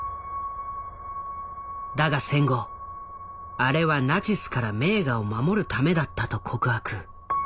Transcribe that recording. だが戦後「あれはナチスから名画を守るためだった」と告白。